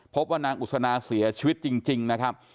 พบว่านางอุศนาเสียชีวิตจริงนะครับ